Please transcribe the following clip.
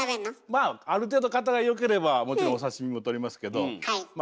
まあある程度型が良ければもちろんお刺身も取りますけどおお！